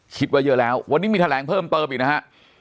ไว้เยอะแล้ววันนี้มีแถลงเพิ่มเติมอีกนะฮะ